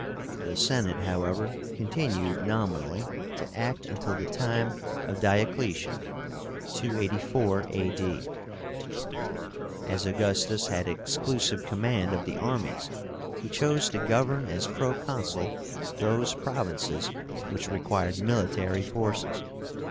The Senate, however, continued nominally to act until the time of Diocletian (284 A. D.). As Augustus had exclusive command of the armies, he chose to govern as Proconsul those provinces which required military forces.